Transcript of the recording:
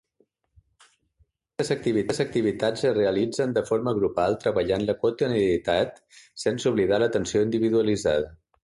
Aquestes activitats es realitzen de forma grupal treballant la quotidianitat, sense oblidar l'atenció individualitzada.